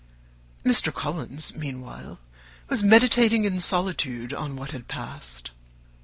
Mr. Collins, meanwhile, was meditating in solitude on what had passed.